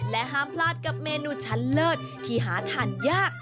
ห้ามพลาดกับเมนูชั้นเลิศที่หาทานยาก